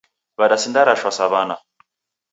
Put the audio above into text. Wadasinda rashwa sa w'ana.